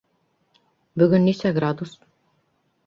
Бөгөн нисә градус?